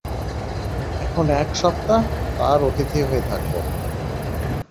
এখন এক সপ্তাহ তাঁর অতিথি হয়ে থাকব।